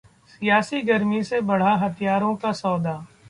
सियासी गर्मी से बढ़ा हथियारों का सौदा